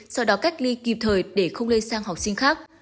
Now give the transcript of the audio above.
sau đó cách ly kịp thời để không lây sang học sinh khác